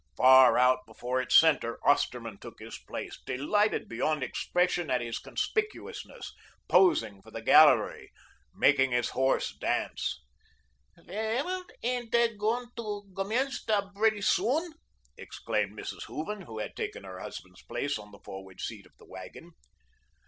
Far out before its centre Osterman took his place, delighted beyond expression at his conspicuousness, posing for the gallery, making his horse dance. "Wail, aindt dey gowun to gommence den bretty soohn," exclaimed Mrs. Hooven, who had taken her husband's place on the forward seat of the wagon.